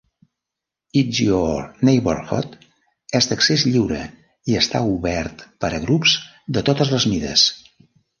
It's Your Neighbourhood és d'accés lliure i està obert per a grups de totes les mides.